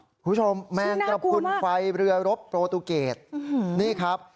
คุณผู้ชมแมงกรับคุณไฟเรือรบโปรตุเกตนี่ครับ